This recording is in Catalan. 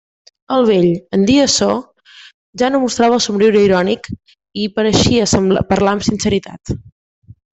El vell, en dir açò, ja no mostrava el somriure irònic i pareixia parlar amb sinceritat.